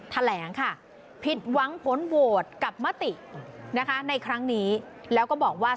แถลงค่ะผิดหวังผลโหวตกับมตินะคะในครั้งนี้แล้วก็บอกว่า